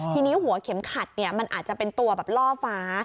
ทีนี้หัวเข็มขัดมันอาจจะเป็นตัวแบบล่อฟ้า